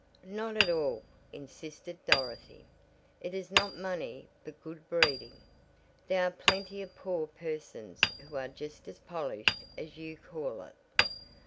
"Not at all," insisted Dorothy. "It is not money but good breeding. There are plenty of poor persons who are just as polished as you call it.